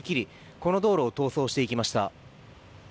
この道路を逃走していきました。